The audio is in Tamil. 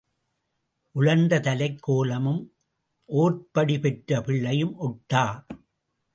உலர்ந்த தலைக் கோலமும் ஓர்ப்படி பெற்ற பிள்ளையும் ஒட்டா.